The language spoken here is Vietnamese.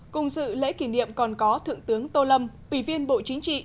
cùng dự lễ kỷ niệm còn có thượng tướng tô lâm ủy viên bộ chính trị